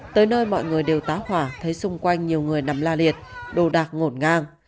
tới nơi mọi người đều tá hỏa thấy xung quanh nhiều người nằm la liệt đồ đạc ngổn ngang